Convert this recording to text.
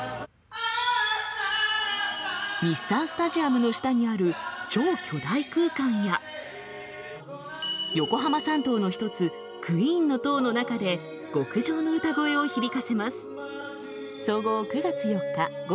日産スタジアムの下にある超巨大空間や横浜三塔の１つクイーンの塔の中で極上の歌声を響かせます。